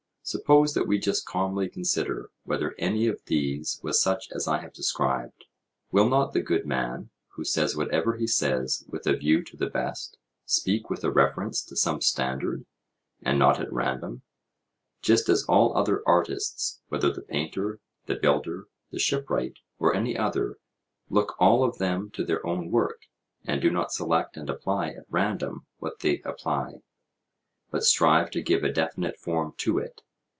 Suppose that we just calmly consider whether any of these was such as I have described. Will not the good man, who says whatever he says with a view to the best, speak with a reference to some standard and not at random; just as all other artists, whether the painter, the builder, the shipwright, or any other look all of them to their own work, and do not select and apply at random what they apply, but strive to give a definite form to it?